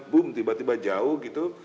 boom tiba tiba jauh gitu